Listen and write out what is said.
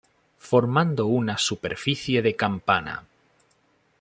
Formando una superficie de campana.